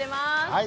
はい。